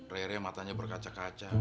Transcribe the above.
rere matanya berkaca kaca